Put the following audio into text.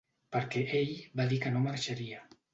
Per què ell va dir que no marxaria.